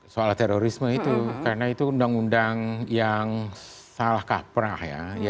soal terorisme itu karena itu undang undang yang salah kaprah ya